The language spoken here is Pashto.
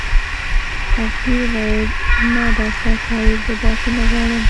هغې وويل نه ډاکټر صاحب زه داسې نه غواړم.